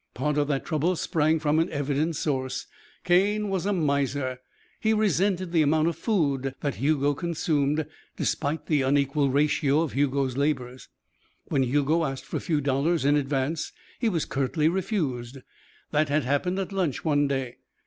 Part of that trouble sprang from an evident source: Cane was a miser. He resented the amount of food that Hugo consumed, despite the unequal ratio of Hugo's labours. When Hugo asked for a few dollars in advance, he was curtly refused. That had happened at lunch one day.